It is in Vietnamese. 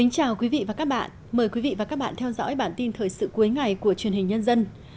chào mừng quý vị đến với bản tin thời sự cuối ngày của truyền hình nhân dân